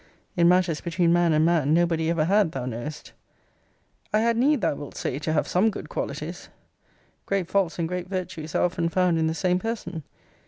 In matters between man and man nobody ever had, thou knowest. I had need, thou wilt say, to have some good qualities. Great faults and great virtues are often found in the same person.